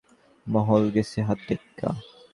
মহল গেসে হাত থেইক্কা।